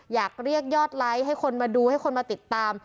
อยากเรียกยอดไลค์ให้คนมาดูให้คนมาติดตาม